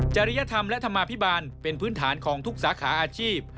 จริยธรรมและธรรมาภิบาลเป็นพื้นฐานของทุกสาขาอาชีพ